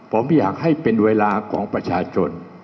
ผมอยากให้เป็นเวลาของประชาชน